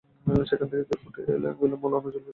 সেখান থেকে উঠে তিনি গেলেন মাওলানা জুলফিকার আলীর নিকট।